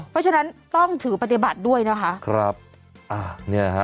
เพราะฉะนั้นต้องถือปฏิบัติด้วยนะคะครับอ่าเนี่ยฮะ